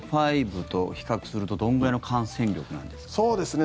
ＢＡ．５と比較するとどれぐらいの感染力なんですか？